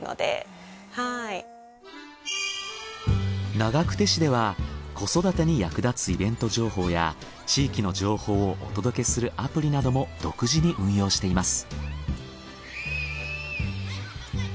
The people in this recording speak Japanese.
長久手市では子育てに役立つイベント情報や地域の情報をお届けするアプリなども独自に運用しています。